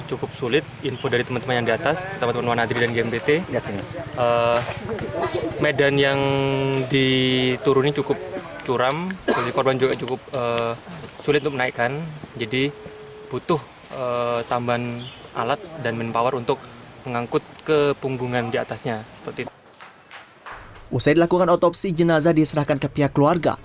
usai dilakukan otopsi jenazah diserahkan ke pihak keluarga